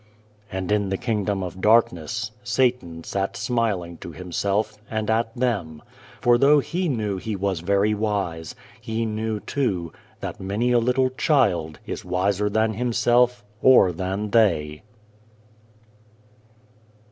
.* And, in the Kingdom of Darkness, Satan sat smiling to himself, and at them ; for though he knew he was very wise, he knew, too, that many a little child is wiser than himself or than they.